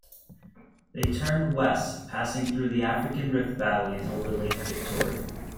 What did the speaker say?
They turned west, passing through the African Rift Valley and over Lake Victoria.